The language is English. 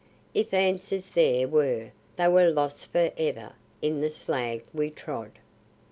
If answers there were, they were lost forever in the slag we trod.